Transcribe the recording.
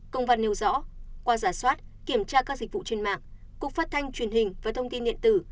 công văn nêu rõ qua giả soát kiểm tra các dịch vụ trên mạng cục phát thanh truyền hình và thông tin điện tử